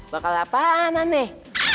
bakal apaan aneh